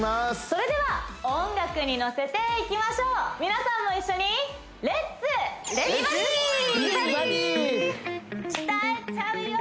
それでは音楽にのせていきましょう皆さんも一緒に鍛えちゃうよ！